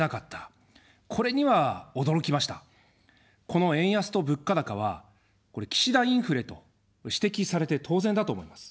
この円安と物価高は、岸田インフレと指摘されて当然だと思います。